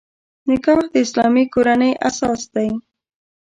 نکاح د اسلامي کورنۍ اساس دی.